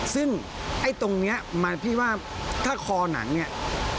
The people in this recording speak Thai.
ซึ่งไอ้ตรงนี้มันพี่ว่าถ้าคอหนังเนี่ย